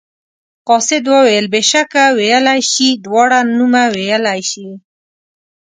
قاصد وویل بېشکه ویلی شي دواړه نومه ویلی شي.